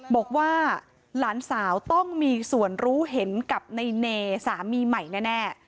บอกว่าหลานสาวต้องมีส่วนรู้เห็นกับในเนสามีใหม่แน่